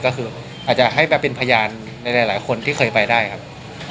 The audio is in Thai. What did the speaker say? ก็คืออาจจะให้ไปเป็นพยานในหลายคนที่เคยไปได้ครับ